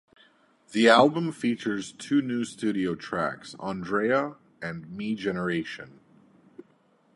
The album features two new studio tracks: "Andrea" and "Me Generation".